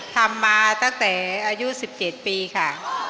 ทำมาตั้งแต่อายุ๑๗ปีค่ะ